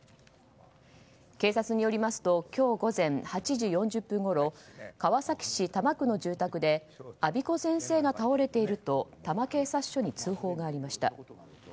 警察によりますと今日午前８時４０分ごろ川崎市多摩区の住宅で安孫子先生が倒れていると多摩警察署に通報がありました。